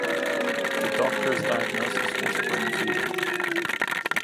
The doctor's diagnosis was brain fever.